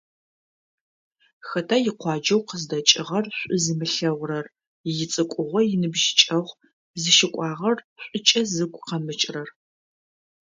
Хэта икъуаджэу къыздэкӏыгъэр шӏу зымылъэгъурэр, ицӏыкӏугъо - иныбжьыкӏэгъу зыщыкӏуагъэр шӏукӏэ зыгу къэмыкӏырэр?